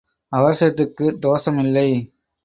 அவசரத்துக்குத் தோஷம் இல்லை.